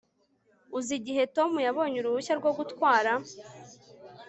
uzi igihe tom yabonye uruhushya rwo gutwara